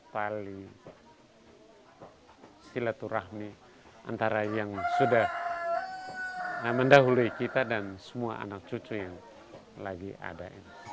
paling silaturahmi antara yang sudah mendahului kita dan semua anak cucu yang lagi ada